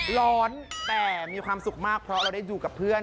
ร้อนแต่มีความสุขมากเพราะเราได้อยู่กับเพื่อน